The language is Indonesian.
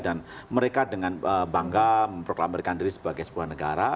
dan mereka dengan bangga memproklamerkan diri sebagai sebuah negara